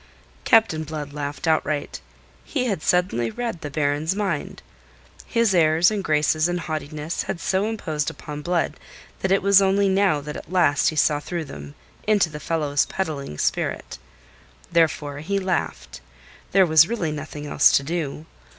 Captain Blood laughed outright. He had suddenly read the Baron's mind. His airs and graces and haughtiness had so imposed upon Blood that it was only now that at last he saw through them, into the fellow's peddling spirit. Therefore he laughed; there was really nothing else to do.